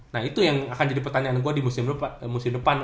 nah itu yang akan jadi pertanyaan gue di musim depan